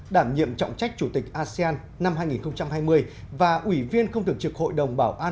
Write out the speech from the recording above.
đảm nhiệm trọng trách chủ tịch asean năm hai nghìn hai mươi và ủy viên không tưởng trực hội đồng bảo an